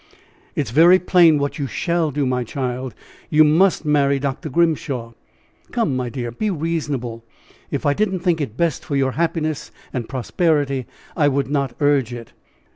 "It is very plain what you shall do, my child. You must marry Dr. Grimshaw. Come, my dear, be reasonable. If I did not think it best for your happiness and prosperity, I would not urge it."